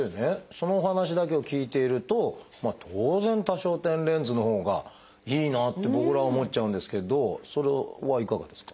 そのお話だけを聞いていると当然多焦点レンズのほうがいいなって僕らは思っちゃうんですけどそれはいかがですか？